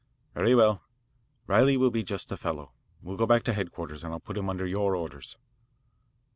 "Very well. Riley will be just the fellow. We'll go back to headquarters, and I'll put him under your orders."